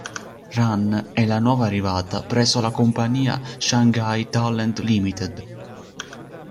Ran è la nuova arrivata presso la compagnia "Shanghai Talent Limited".